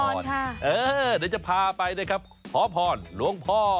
เดี๋ยวจะพาไปนะครับขอพรหลวงพ่อ